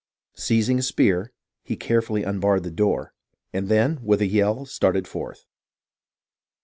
Seizing a spear, he carefully unbarred the door, and then, with a yell, started forth.